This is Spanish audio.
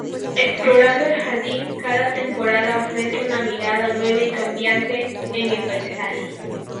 Explorando el jardín cada temporada ofrece una mirada nueva y cambiante en el paisaje.